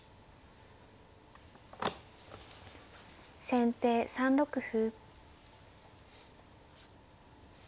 先手３六歩。